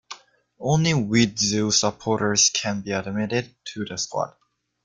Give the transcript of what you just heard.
Only Widzew supporters can be admitted to the squad.